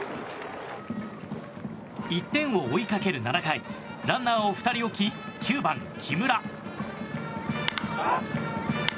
１点を追いかける７回ランナーを２人置き９番、木村。